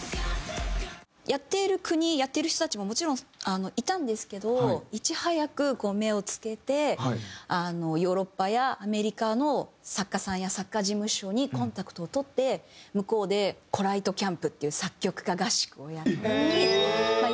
やっている国やっている人たちももちろんいたんですけどいち早く目を付けてヨーロッパやアメリカの作家さんや作家事務所にコンタクトを取って向こうでコライトキャンプっていう作曲家合宿をやったり開催したり。